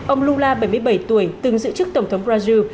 ông lula bảy mươi bảy tuổi từng giữ chức tổng thống brazil